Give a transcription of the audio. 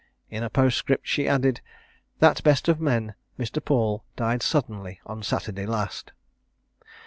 In a postscript, she added "That best of men, Mr. Paul, died suddenly on Saturday last."